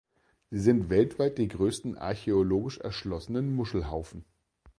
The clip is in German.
Sie sind weltweit die größten archäologisch erschlossenen Muschelhaufen.